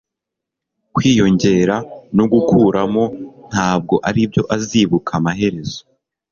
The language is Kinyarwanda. kwiyongera no gukuramo ntabwo aribyo azibuka amaherezo